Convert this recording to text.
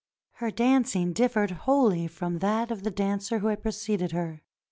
Her dancing differed wholly from that of the dancer who had preceded her.